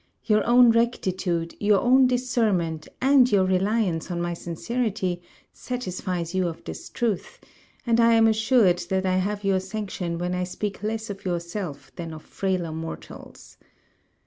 Your own rectitude, your own discernment, and your reliance on my sincerity, satisfies you of this truth; and I am assured that I have your sanction when I speak less of yourself than of frailer mortals.